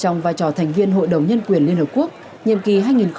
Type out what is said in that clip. nhân quyền liên hợp quốc nhiệm kỳ hai nghìn một mươi bốn hai nghìn một mươi tám